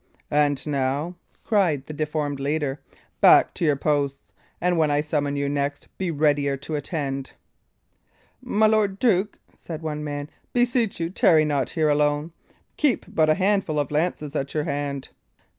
"And now," cried the deformed leader, "back to your posts, and when I summon you next, be readier to attend." "My lord duke," said one man, "beseech you, tarry not here alone. Keep but a handful of lances at your hand."